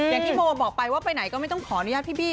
อย่างที่โมบอกไปว่าไปไหนก็ไม่ต้องขออนุญาตพี่บี้